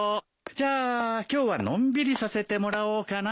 じゃあ今日はのんびりさせてもらおうかな。